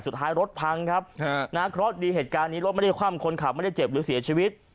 สุดท้ายรถพังครับนะเคราะห์ดีเหตุการณ์นี้รถไม่ได้คว่ำคนขับไม่ได้เจ็บหรือเสียชีวิต